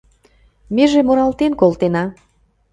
Меже муралтен колтена